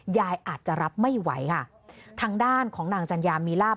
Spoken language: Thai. ยายอาจจะรับไม่ไหวค่ะทางด้านของนางจัญญามีลาบ